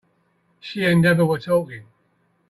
She and Heather were talking.